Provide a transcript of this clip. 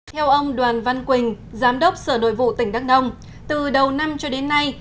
theo ông đoàn văn quỳnh giám đốc sở nội vụ tỉnh đắk nông từ đầu năm cho đến nay